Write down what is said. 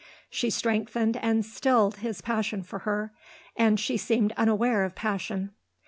She strengthened and stilled his passion for her. And she seemed unaware of passion.